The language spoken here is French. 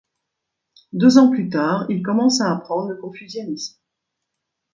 Deux ans plus tard, il commence à apprendre le confucianisme.